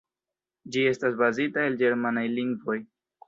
Ĝi estas bazita el ĝermanaj lingvoj.